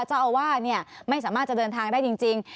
เจ้าอาวาสไม่สามารถจะเดินทางได้จริง